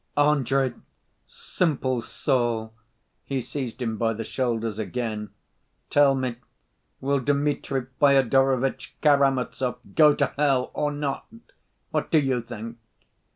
"Andrey, simple soul," he seized him by the shoulders again, "tell me, will Dmitri Fyodorovitch Karamazov go to hell, or not, what do you think?"